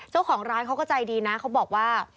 เจ้าของร้านเขาก็ใจดีนะเขาบอกว่า